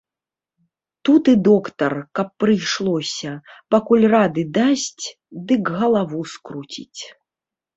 Тут і доктар, каб прыйшлося, пакуль рады дасць, дык галаву скруціць.